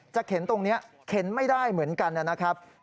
เข็นตรงนี้เข็นไม่ได้เหมือนกันนะครับ